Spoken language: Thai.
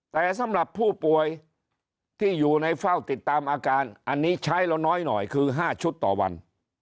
แต่สำหรับผู้ป่วยที่อยู่ในเฝ้าติดตามอาการอันนี้ใช้เราน้อยหน่อยคือ๕ชุดต่อวัน